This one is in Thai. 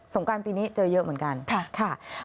งการปีนี้เจอเยอะเหมือนกันค่ะ